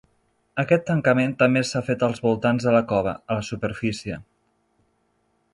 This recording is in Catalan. Aquest tancament també s'ha fet als voltants de la cova, a la superfície.